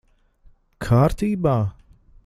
Kārtībā?